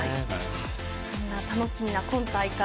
そんな楽しみな今大会。